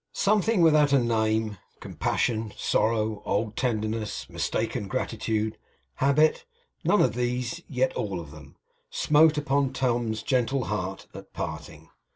Something without a name; compassion, sorrow, old tenderness, mistaken gratitude, habit; none of these, and yet all of them; smote upon Tom's gentle heart at parting.